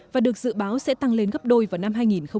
và được dự báo sẽ tăng lên gấp đôi vào năm hai nghìn bốn mươi năm